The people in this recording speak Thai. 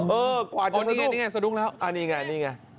เออกว่าจะสะดุ้งอันนี้ไง